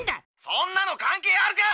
そんなの関係あるか！